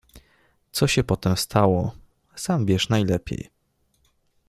Co się potem stało, sam wiesz najlepiej.